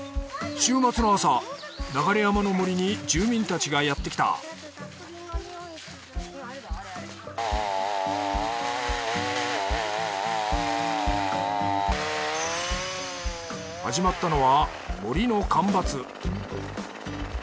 週末の朝流山の森に住民たちがやってきた始まったのは森の間伐。